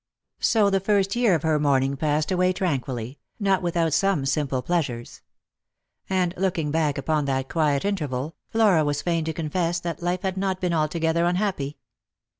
So the first year of her mourning passed away tranquilly ; not without some simple pleasures. And looting back upon that quiet interval, Mora was fain to confess that life had not been altogether unhappy.